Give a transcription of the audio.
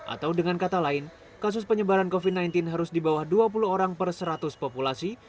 atau dengan kata lain kasus penyebaran covid sembilan belas harus di bawah dua puluh orang per seratus populasi